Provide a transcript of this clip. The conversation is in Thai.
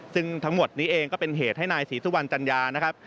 ซึ่งทั้งหมดนี้เองก็เป็นเหตุให้นายศรีสุวรรณจัญญานะครับ